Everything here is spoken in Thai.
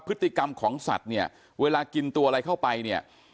พฤติกรรมของสัตว์เนี่ยเวลากินตัวอะไรเข้าไปเนี่ย